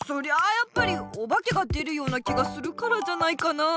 やっぱりおばけが出るような気がするからじゃないかな。